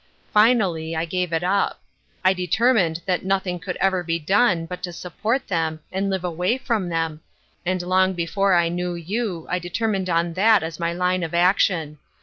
Finally, I gave it up. I determined that nothing could ever be done but to support them and live away from them, and long before I knew you I deter mined on that as my line of action.